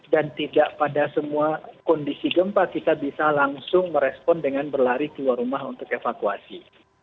dan tidak pada semua kondisi gempa kita bisa langsung merespon dengan berlari keluar rumah untuk evakuasi